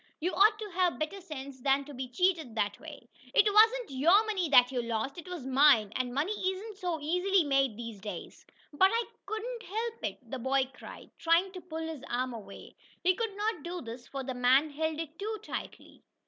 "You ought to have better sense than to be cheated that way! It wasn't your money that you lost, it was mine, and money isn't so easily made these days!" "But I couldn't help it!" the boy cried, trying to pull his arm away. He could not do this, for the man held it too tightly.